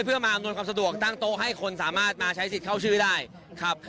เพื่อมาอำนวยความสะดวกตั้งโต๊ะให้คนสามารถมาใช้สิทธิ์เข้าชื่อได้ครับ